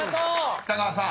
［北川さん